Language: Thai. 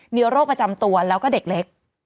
มีโรคประจำตัวแล้วก็เด็กเล็ก